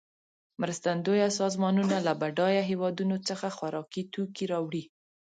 مرستندویه سازمانونه له بډایه هېوادونو څخه خوارکي توکې راوړي.